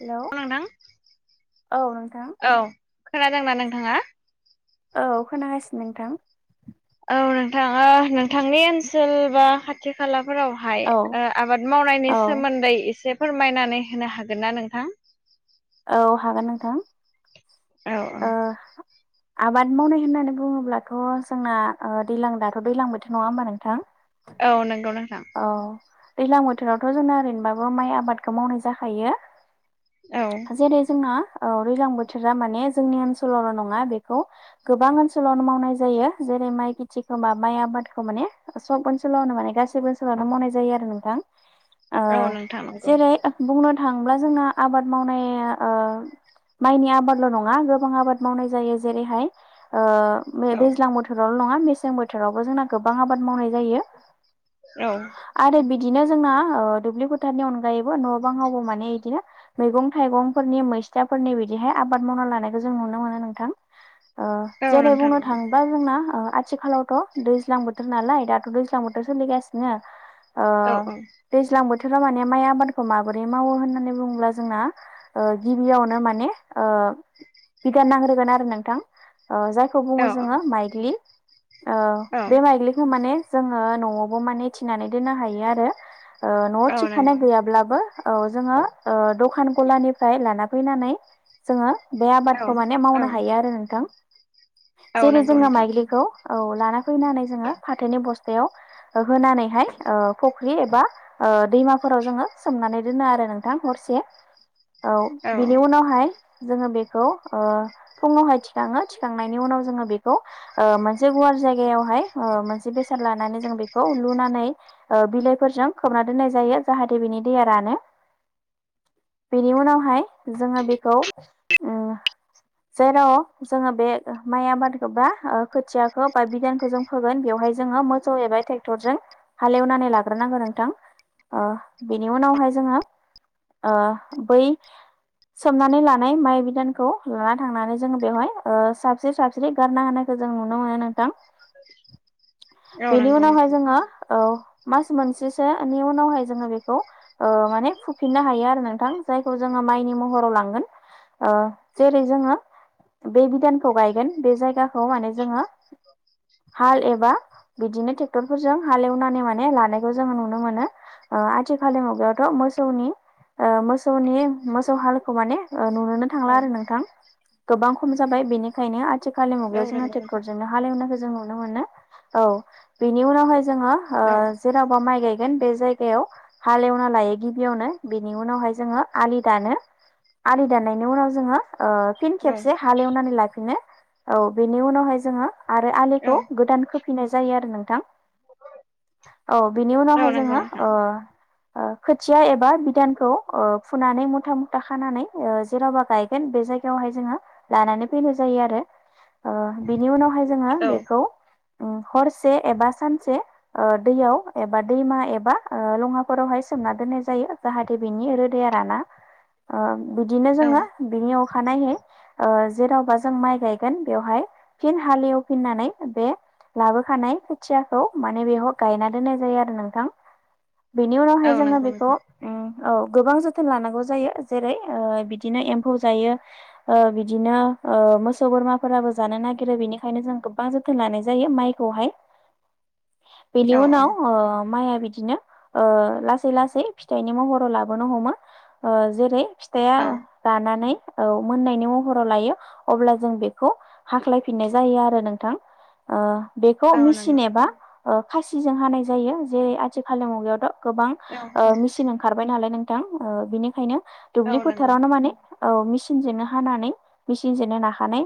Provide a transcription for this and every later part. हेल' नोंथां औ नोंथां औ खोनादोंना नोंथाङा औ खोनागासिनो नोंथां। औ नोंथां ओ नोंथांनि ओनसोल बा खाथि खाला--। फोरावहाय औ ओ आबाद मावनायनि औ सोमोन्दै इसेब। फोरमायनानै होनो हागोन ना नोंथां। औ हागोन नोंथां। औ औ। ओ आबाद मावनाय होननानै बुङोब्लाथ' जोंना ओ दैलां दाथ' दैलां बोथोर नङा होमबा नोंथां। औ नंगौ नोंथां। दैलां बोथोरावथ' जोंना ओरैनोबाबो माइ आबादखो मावनाय जाखायो। औ जेरै जोंना ओ दैज्लां बोथोरा माने जोंनि ओनसोलावल' नङा बेखौ गोबां ओनोलावनो मावनाय जायो जेरै माइ खेथि खोमा माइ आबाद। मादखो माने सब ओनसोलावनो माने गासैबो ओनसोलावनो मावनाय जायो आरो नोंथां। औ नोंथां नंगौ। थांब्ला जोंना आबाद मावनाया ओ माइनि आबादल' नं। मा गोबां आबाद मावनाय जायो जेरैहाय ओ औ दैज्लां बोथोरावल' नोंङा। मेसें बोथोरावबो जोंना गोबां आबाद मावनाय जायो। औ। आरो बिदिनो जोंना ओ दुब्लि फोथारनि अनगायैबो न' बांआवबो माने इदिनो मैगं थाइगंफोरनि मैस--। सिथाफोरनि बिदिहाय आबाद मावना लानो। खो जों नुनो मोनो नोंथां ओ औ जेरै नोंथां बुंनो नंगौ थांङोबा जोंना ओ अ--। आथिखालावथ' दैज्लां बोथोर नालाय दाथ' दैज्लां बोथोर सोलिगासिनो। ओ औ दैज्लां बोथोराव माने माइ आबादखो माबोरै मावो होननानै बुङोब्ला जोंना। ओ गिबियावनो माने ओ। बिदान नांग्रोगोन आरो नोंथां ओ जायखो बुङो औ जोङो माइग्लि। ओ औ बे माइग्लिखौ माने जोङो न'आवबो माने थिनानै दोननो हायो आरो। ओ न'आव औ थिखानाय नंगौ गैयाब्लाबो औ जोङो ओ दखान गलानिफाय लाना--। फैनानै जोङो बे औ आबादखौ माने औ मावनो हायो आरो नोंथां। औ जेरै नंगौ जोङो नोंथां माइग्लिखौ औ लाना फैनानै जोङो फाथोनि बस्थ--। तायाव होनानैहाय ओ फख्रि एबा ओ दैमाफोराव जोङो सोमनानै दोनो आरो। नोंथां हरसे। [inaudible] औ बिनि उनावहाय जोङो बिखौ। ओ फुङावहाय थिखाङो थिखांनायनि उनाव जोङो बेखौ मोनसे ओ गुवार जायगायावहाय। ओ मोनसे बेसाद लानानै जों बेखौ लुनानै ओ बिलाइफोरजों खोबना दोननाय जायो जाहाथे बेनि। दैया रानो। [inaudible] बेनि उनावहाय जोङो बेखौ ओम। [unintelligible] जेराव जोङो बे माइ आबादखो बा ओ खोथियाखो बा बिदानखो जों फोगोन बेवहाय जोङो। ओ मोसौ एबा टेक्टरजों हालेवनानै लाग्रोनांगो नोंथां। ओ बेनि उनावहाय जोङो। ओ बै सोमनानै लानाय माइ बिदानखौ। लाना थांनानै जोङो बेवहाय ओ साबस्रि साबस्रि गारना होनायखो जों नुनो मोनो। दा औ बेनि नंगौ उनावहाय नोंथां जोङो औ। मास मोनसेसोनि उनावहाय जोङो बेखौ ओ माने फुफिननो हायो आरो नोंथां जायखौ जोङो। माइनि महराव लांगोन ओ। जेरै जोङो बे बिधानखौ गायगोन बे जायगाखौ माने जोङो। हाल एबा बिदिनो टेक्टरफोरजों हाल एवनानै माने लानायखौ जोङो नुनो मोनो। ओ आथिखालनि मुगायावथ' मोसौनि ओ मोसौनि मोसौ हालखौ माने। ओ नुनोनो थांला औ आरो नोंथां गोबां खम जाबाय बेनिखायनो आरो। औ मुगायाव जोंङो नंगौ नोंथां ट्रेकटरजोंनो हालेवनायखौ जों नुनो मोनो औ बेनि उावहाय जोङो औ जेरावबा माइ गायगोन बे जायगायाव हालेवना लायो गिबियावनो बेनि उनावहाय जोङो आलि दानो आलि दाननायनि उनाव जोङो फिन औ खेबसे हालेवनानै लाफिनो औ बेनि उनावहाय जोङो आरो औ आलिखौ गोदान खोफिनाय जायो आरो नोंथां औ बिनि औ उनावहाय नंगौ जोङो नोंथां खोथिया एबा बिदानखौ फुनानै मुथा मुथा खानानै जेरावबा गायगोन बे जायगायावहाय जोङो लानानै फैनाय जायो आरो बिनि उनावहाय जोङो औ बेखौ हरसे एबा सानसे दैयाव एबा दैमा एबा लङाफोरावहाय स ना दोननाय जायो जाहाथे बेनि रोदाया राना बिदिनो औ जोङो अखानायहै जेरावबा जों माइ गायगोन बेवहाय फिन हालेवफिननानै बे लाबोखानाय खोथियाखौ माने बेयाव गायना दोननाय जायो आरो नोंथां बेनि उनावहाय औ जोङो नंगौ बेखौ नोंथां औ गोबां जोथोन लानांगौ जायो जेरै बिदिनो एम्फौ जायो बिदिनो मोसौ बोरमाफोराबो जानो नागिरो बेनिखायनो जों गोबां जोथोन लानाय जायो माइखौहाय [inaudible] बेनि औ उनाव माइआ बिदिनो लासै लासै फिथाइनि महराव लाबोनो हमो जेरै फिथाइया औ रानानै औ मोननायनि महराव लायो अब्ला जों बेखौ हाख्लायफिननाय जायो आरो नोंथां बेखौ औ नंगौ मिसिन एबा खासिजों हानाय जायो जेरै आथिखालनि मुगायावथ गोबां औ मिसिन ओंखारबाय नालाय नोंथां बिनिखायनो औ दुब्लि नंगौ फोथारावनो माने मिसिनजोंनो हानानै मिसिनजोंनो नाखानाय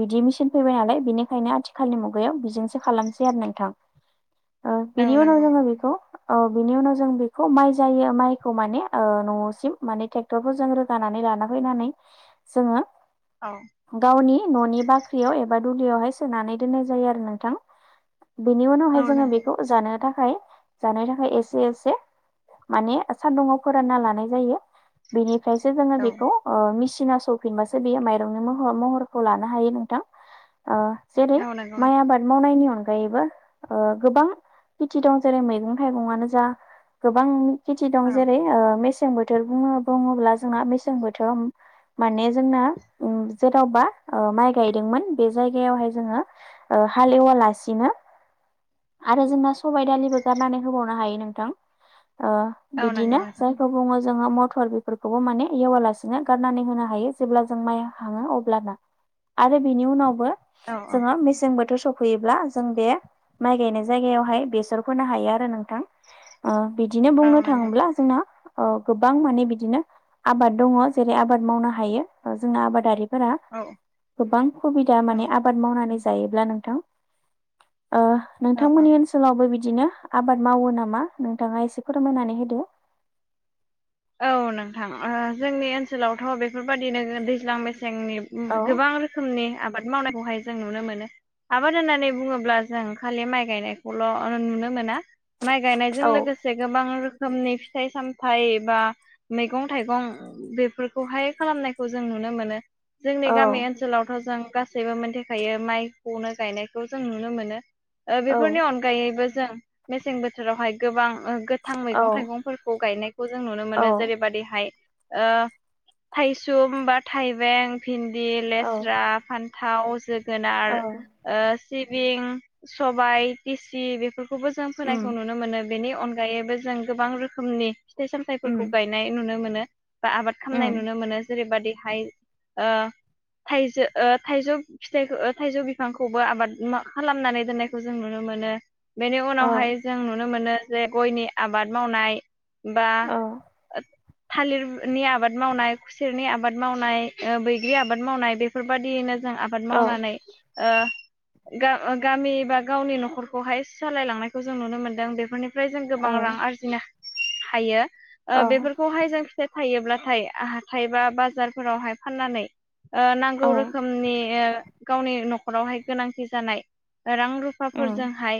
बिदि मेसिनन फैबाय नालाय बिनिखायनो आथिखालनि मुगायाव बेजोंसो खालामसै आरो नोंथां [inaudible] औ बिनि उनाव नंगौ जोङो बेखौ औ बिनि उनाव जों बेखौ माइ जायो माइखौ माने न'सिम माने ट्रेक्टर फोर जों रोगानानै लाना फैनानै जो औ गावनि न'नि बाख्रियाव बा दुलियावहाय सोनानै दोननाय जायो आरो नोंथां बेनि उनावहाय औ जोङो नंगौ बेखौ जानो थाखाय जानायनि थाखाय एसे एसे माने सान्दुुंङाव फोरानना लानाय जायो बेनिफ्रायसो जोङो औ बेखौ सिना सौफिनबासो बेयो माइरंनिर महरखौ लानो हायो नोंथां जेरै औ नंगौ माइ नोंथां आबाद मावनायनि अनगायै अनगायैबो गोबां खेथि दं जेरै मैगं थाइगंआनो जा गोबां खेथि दं औ जेरै मेसें बोथोर बुङो बुङोब्ला जोंना मेसें बोथोराव माने जोंना जेरावबा माइ गायदोंमोन बे जायगायावहाय जोङो हालेवालासिनो आरो जोंना सबायाइ दालिबो गारनानै होबावनो हायो नोंथां औ नंगौ बिदिनो नोंथां जायखौ बुङो जोङो मटर बेफोरखौबो माने एवालासिनो गारनानै होनो हायो जेब्ला जों माइ हाङो अब्लाना आरो बेनि उनावबो औ जोंङो मेसें बोथोर सब फैयोब्ला जों बे माइ गायनाय जायगायावहाय बेसर फोनो हायो आरो नोंथां बिदिनो औ बुंनो औ नंगौ थाङोब्ला जोंना गोबां माने बिदिनो आबाद दङ जेरै आबाद मावनो हायो जोंना आबादारि औ गोबां सुबिदा औ माने आबाद मावनानै जायोब्ला नोंथां औ औ नोंथांमोननि ओनसोलावबो बिदि बिदिनो आबाद मावो नामा नोंथाङा एसे फोरमायनानै होदो औ नोंथां जोंनि ओनसोलावथ' बेफोरबायदिनो दैज्लां मेसें औ जोंनि गोबां रोखोमनि आबाद मावनायखौहाय जों नुनो मोनो आबाद होननानै बुंङोब्ला जों खालि माइ गायनायखौल' नुनो मोना माइ गायनायजों औ लोगोसे गोबां रोखोमनि फिथाइ - सामथाय बा मैगं थाइगं बेफोरखौहाय खालामनायखौ जों नुनो मोनो जोंनि औ गामि ओनसोलावथ' जों गासैबो मिथिखायो माइखौनो गायनाय गायनायखौ जों नुनो मोनो औ बेफोरनि अनगायैबो जों मेसें बोथोरावहाय गोबां गोथां औ मैगं थाइगंफोरखौ गायनायखौ जों नुनो औ मोनो जेरै बा दिहा थाइसुम बा थाइबें भिन्दि औ लेस्रा थाव औ जोगोनार सिबिं सबाय फिसि बेफोरखौ खौबो जों उम फोनायखौ नुनो मोनो बेनि अनगायैबो जों गोबां रोखोमनि फिथाइ - उम सामथाइफोरखौ गायनाय नुनो मोनो बा आबाद उम खालामनाय नुनो मोनो जेरैबादिहाय ओ थाइजौ - थाइजौ फिथाइखौ थाइजौ बिफांखौबो आबाद खालामनानै दोननायखौ जों नुनो मोनो बेनि औ उनावहाय जों नुनो मोनो जे गयनि आबाद मावनाय बा औ [unintelligible] थालिरनि आबाद मावनाय खुसेरनि आबाद मावनाय बैग्रि आबाद मावनाय बेफोरबायदियैनो जों आबाद औ मावनानै गामि बा गावनि न'खरखौहाय सालायलांनायखौ जों नुनो मोनदों बेफोरनि जों गोबां औ रां आरजिनो हायो औ बेफोरखौहाय जों फि थायोब्लाथाय हाइबा बाजारफोरावहाय फाननानै औ नांगौ रोखोमनि गावनि न'खरावहाय गोनांथि जानाय रां उम रुफाफोरजोंहाय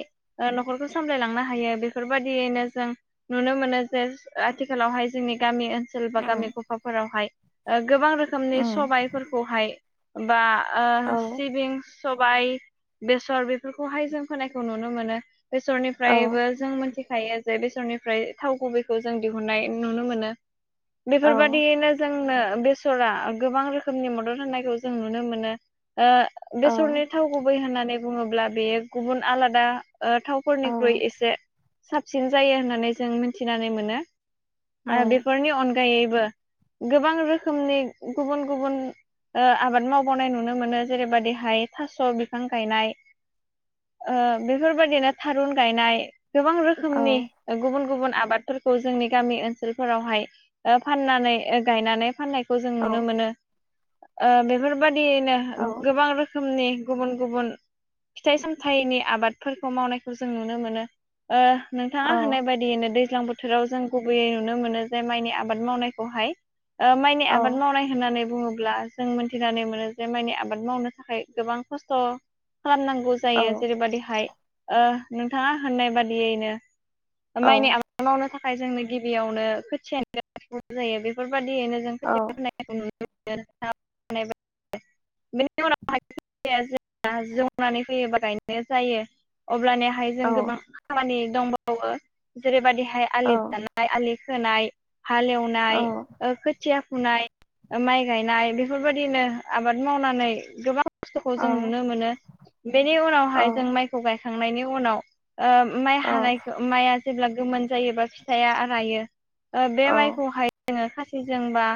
न'खरखौ सामलायलांनो हायो बेफोरबायदियैनो जों नुनो मोनो जे आथिखालावहाय जोंनि गामि ओनसोल बा गामि उम गफाफोरावहाय गोबां रोखोमनि उम सबायफोरखौहाय बा औ सिबिंस सबायाइ बेसर बेफोरखौहाय जों खोनायखौ नुनो मोनो औ बेसरनिफ्रायबो जों मिथिखायो जे बेसरनि ओमफ्राय थाव गुबैखौ जों दिहुननाय नुनो मोनो औ बेफोरबादियैनो जोंनो बेसरा गोबां रोखोमनि मदद होनायखौ जों नुनो मोनो औ बेसरनि थाव गुबै होननानै बुंङोब्ला बेयो गुबुन आलादा थावफोरनिख्रुइ एसे साबसिन जायो होननानै जों मिथिनानै मोनो औ आरो बेफोरनि अनगायैबो गोबां रोखोमनि गुबुन गुबुन आबाद मावबावनाय नुनो मोनो जेरैबाददिहाय थास' बिफां गायनाय बेफोरबायदिनो थारुन गायनाय गोबां औ रोखोमनि गुबुन गुबुन आबादफोरखौ जोंनि गामि ओनसोलफोरावहाय फानानै गायनानै फाननाय खौ जों औ नुनो मोनो बेफोरबादियैनो औ गोबां रोखोमनि गुबुन गुबुन फिथाइ- सामथाइनि आबादफोरखौ मावनायखौ जों नुनो मोनो ओ नोंथांङा होनाय बायदि दैज्लां बोथोराव जों गुबैयै नुनो मोनो जे माइनि आबाद मावनायखौहाय माइनि औ आबाद मावनाय होननानै बुंङोब्ला जों मोनथिनानै मोनो जे मानि आबाद मावनो थाखाय गोबां खस्थ' खालामनांगौ औ जायो जेरैबायाददिहाय नोंथांङा होननाय बादियैनो माइनि आबाद मावनो थाखाय जोंनो गिबियावनो खोथियानो जायो बेफोर बेबाददियैनो जों खोथि होनायखौ नुनो मोनो बेनि उनाव जों जौनानै फैयोबा गायनाय जायो । अब्लानिहाय जों गोबां खामानि दंबावो जेरैबायदिहाय आलि दाननाय आलि खोनाय हालेवनाय खोथिया फुनाय माइ गायनाय बेफोरबायदिनो आबाद मावनानै गोबां खस्थ'खौ औ जों नुनो मोनो बेनि उनावहाय जों माइखौ गायखांनायनि उनाव ओ माइ हानायखो माइआ जेब्ला गोमोन जायोबा फिथाया रायो ओ बे माइखौहाय जोङो खासिजों बा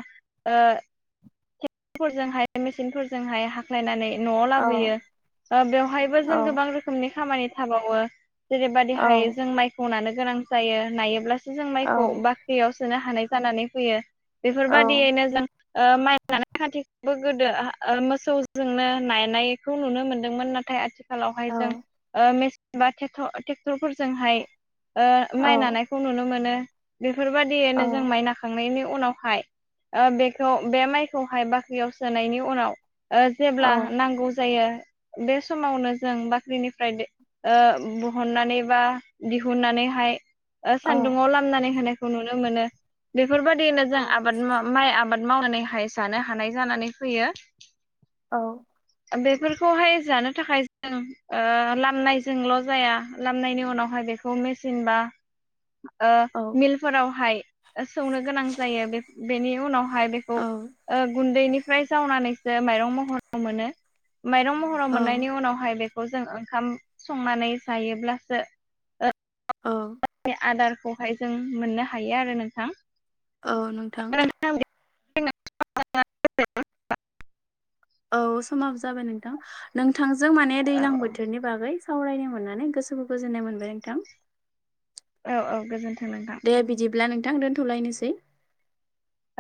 ओ फोरजोंहाय मेसिनफोरजोंहाय हाख्लायनानै न'आव लाबोयो ओ बेवहायबो जों गोबां रोखोमनि खामानि थाबावो जेरैबादिहाय जों माइखौ नानो गोनां जायो नायोब्लासो जों माइखौ बाख्रियाव सोनो हानाय जानानै फैयो बेफोरबायदियैनो जों ओ माइ [unintelligible] गोदो ओ ओ मोसौजोंनो नायनायखौ नुनो मोनदोंमोन नाथाय आथिखालाव लावहाय जों औ ओ मेसिन बा टेक्ट टेक्टरफोरजोंहाय ओ माइ नानायखौ नुनो मोनो बेफोरबायदियैनो जों माइ नाखांनायनि उनावहाय ओ बेखौ बे माइखौहाय बाख्रियाव सोनायनि उनाव ओ जेब्ला नांगौ जायो बे समावनो जों बाख्रिनिफ्राय बे ओ बहननानै बा दिहुननानै एहाय ओ सान्दुङाव लामनानै होनायखौ नुनो मोनो बेफोरबायदिनो जों आबाद मा माइ आबाद मावनानैहाय जानो हानाय जानानै फैयो औ बेफोरखौहाय जानो थाखाय जों लामनायजोंल' जाया लामनायनि उनावहाय बे बेखौ मेसिन बा ओ मिलफोरावहाय सौनो गोनां जायो बे बेनि उनाव हाय बेखौ गुन्दैनिफ्राय जावनानैसो माइरं महर मोनो माइरं महराव मोननायनि उनावहाय बे खौ जों ओंखाम संनानै जायोब्लासो ओ [unintelligible] आदारखौहाय जों मोननो हायो आरो नोंथां औ नोंथां [unintelligible] औ समाबो जाबाय नोंथां नोंथांजों माने औ दैलां बोथोरनि बागै सावरायनो मोननानै गोसोखौ गोजोननाय मोनबाय नोंथां औ औ गोजोनथो दे बिदिब्ला नोंथां दोनथ'लायनोसै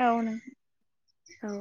औ नोंथां औ